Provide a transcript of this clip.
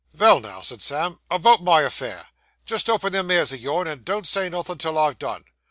'Vell, now,' said Sam, 'about my affair. Just open them ears o' yourn, and don't say nothin' till I've done.